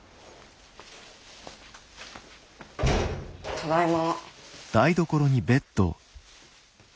ただいま。